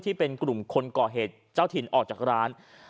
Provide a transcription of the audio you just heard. ที่เป็นกลุ่มคนก่อเหตุเจ้าถิ่นออกจากร้าน